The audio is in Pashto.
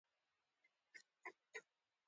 • لور د مور تر ټولو خوږه ملګرې وي.